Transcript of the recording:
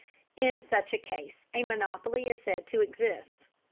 In such a case a monopoly is said to exist.